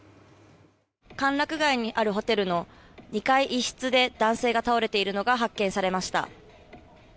歓楽街にあるホテルの２階一室で男性が倒れているのが発見されました。